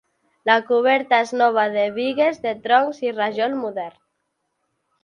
La coberta és nova de bigues de troncs i rajol modern.